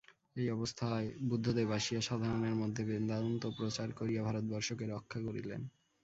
এই অবস্থায় বুদ্ধদেব আসিয়া সাধারণের মধ্যে বেদান্ত প্রচার করিয়া ভারতবর্ষকে রক্ষা করিলেন।